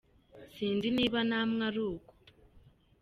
Sinzi niba na mwe ari uko….